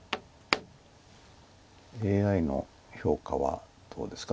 ＡＩの評価はどうですか？